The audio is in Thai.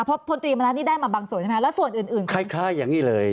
เพราะพลตรีมณัฐนี่ได้มาบางส่วนใช่ไหมแล้วส่วนอื่นอื่นคล้ายอย่างนี้เลย